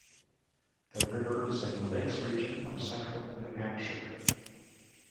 The river is in the Lakes Region of central New Hampshire.